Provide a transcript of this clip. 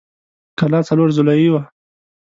کلا څلور ضلعۍ وه.